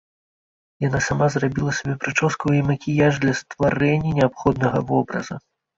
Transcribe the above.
Яна сама зрабіла сабе прычоску і макіяж для стварэння неабходнага вобраза.